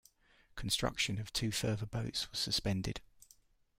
Construction of two further boats was suspended.